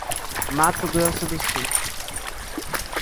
Mato Grosso do Sul